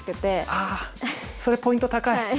ああそれポイント高い。